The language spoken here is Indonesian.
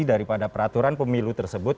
daripada peraturan pemilu tersebut